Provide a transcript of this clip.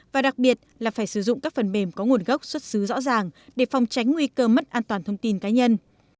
và đặc biệt là phải sử dụng các phần mềm có nguồn gốc xuất xứ rõ ràng để phòng tránh nguy cơ mất an toàn thông tin cá nhân